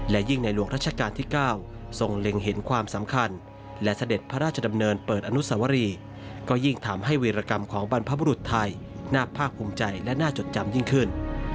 และยิ่งในหลวงรัชกาลที่๙ทรงเล็งเห็นความสำคัญและเสด็จพระราชดำเนินเปิดอนุสวรีก็ยิ่งทำให้เวรกรรมของบรรพบุรุษไทยน่าภาคภูมิใจและน่าจดจำยิ่งขึ้น